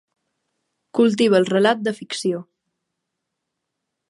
Cultiva el relat de ficció.